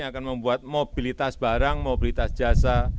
akan membuat mobilitas barang mobilitas jasa